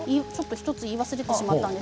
１つ言い忘れてしまいました。